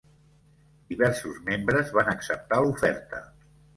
Diversos membres van acceptar l'oferta.